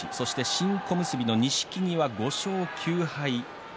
新小結の錦木は５勝９敗。